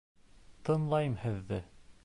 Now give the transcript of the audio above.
— Тыңлайым һеҙҙе...